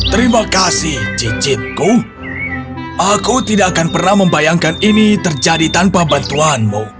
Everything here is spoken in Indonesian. terima kasih cicitku aku tidak akan pernah membayangkan ini terjadi tanpa bantuanmu